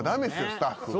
スタッフ。